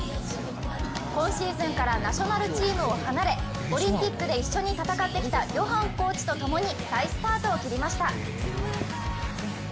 今シーズンからナショナルチームを離れオリンピックで一緒に戦ってきたヨハンコーチと共に再スタートを切りました。